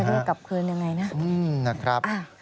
แล้วดูกลับคืนยังไงนะ